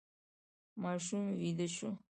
ماشوم ویده شو.